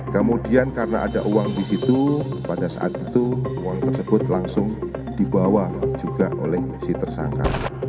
kemudian karena ada uang di situ pada saat itu uang tersebut langsung dibawa juga oleh si tersangka